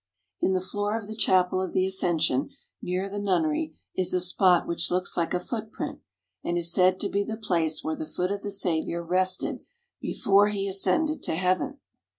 In the floor of the Chapel of the Ascension near the nunnery is a spot which looks like a footprint, and is said to be the place where the foot of the Saviour rested before He ascended to heaven.